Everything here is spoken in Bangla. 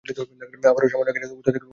আবারো সামান্য এগিয়ে উত্তর দিকে মোড় নেয়।